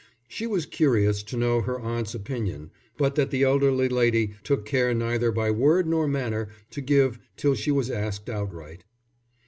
She was curious to know her aunt's opinion; but that the elderly lady took care neither by word nor manner to give, till she was asked outright.